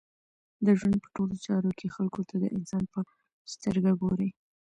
د ژوند په ټولو چارو کښي خلکو ته د انسان په سترګه ګورئ!